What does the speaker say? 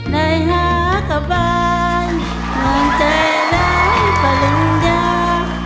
ในหากบ้านมีใจแล้วปริญญา